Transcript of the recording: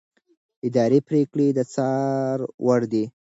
اداري پرېکړه د څار وړ ده.